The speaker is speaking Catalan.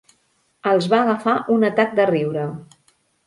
Els va agafar un atac de riure.